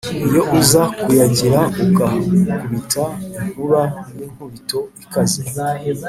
iyo uza kuyagira ugakubita inkuba y' inkubito ikaze